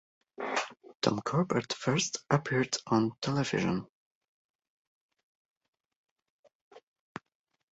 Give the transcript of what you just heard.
"Tom Corbett" first appeared on television.